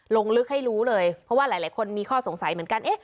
ลงลึกให้รู้เลยเพราะว่าหลายคนมีข้อสงสัยเหมือนกัน